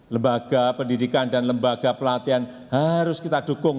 lembaga pendidikan dan lembaga pelatihan harus kita dukung